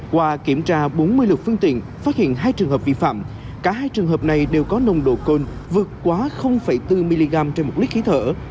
qua kiểm tra bốn mươi lực phương tiện phát hiện hai trường hợp vi phạm cả hai trường hợp này đều có nồng độ cồn vượt quá bốn mg trên một lít khí thở